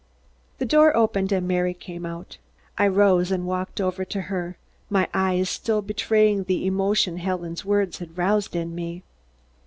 The door opened and Mary came out. I rose and walked over to her, my eyes still betraying the emotion Helen's words had roused in me.